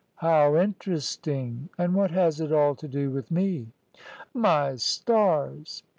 "How interesting! And what has it all to do with me?" "My stars!"